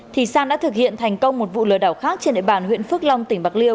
thì sang đã thực hiện thành công một vụ lừa đảo khác trên địa bàn huyện phước long tỉnh bạc liêu